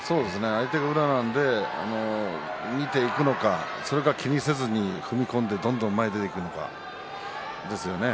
相手が宇良なので見ていくのか気にせずに踏み込んでどんどん前にいくのかですね。